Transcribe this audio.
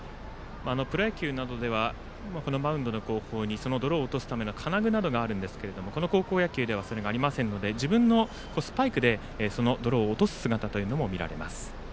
プロ野球などではマウンドのところに泥を落とすための金具などがありますが高校野球ではそれがありませんので自分のスパイクでその泥を落とす姿が見られます。